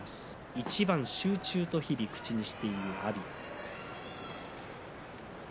一番集中と日々口にしている阿炎。